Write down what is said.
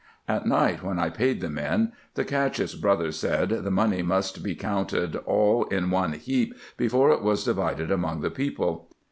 At night, when I paid the men, the Cacheff 's brother said, the money must be counted all in one heap, before it was divided among the people.